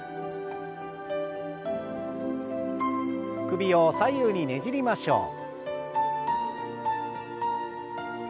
首を左右にねじりましょう。